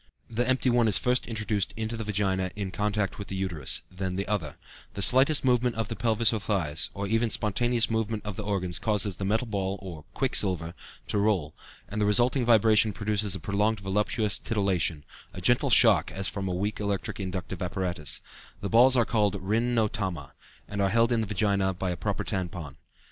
The empty one is first introduced into the vagina in contact with the uterus, then the other; the slightest movement of the pelvis or thighs, or even spontaneous movement of the organs, causes the metal ball (or the quicksilver) to roll, and the resulting vibration produces a prolonged voluptuous titillation, a gentle shock as from a weak electric inductive apparatus; the balls are called rin no tama, and are held in the vagina by a paper tampon.